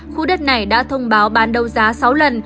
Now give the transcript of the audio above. khu đất này đã thông báo bán đấu giá sáu lần